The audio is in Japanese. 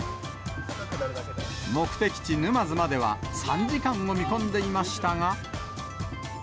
目的地、沼津までは３時間を見込んでいましたが。